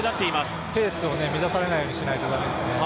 ここでペースを乱されないようにしないとだめですね。